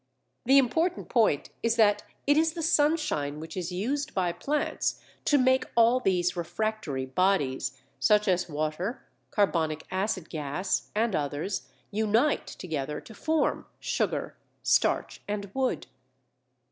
The important point is that it is the sunshine which is used by plants to make all these refractory bodies, such as water, carbonic acid gas, and others, unite together to form sugar, starch, and wood.